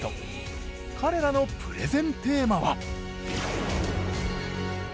彼らのプレゼンテーマは？